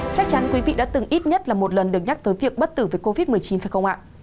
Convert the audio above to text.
chắc chắn quý vị đã từng ít nhất là một lần được nhắc tới việc bất tử về covid một mươi chín phải không ạ